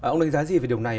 ông đánh giá gì về điều này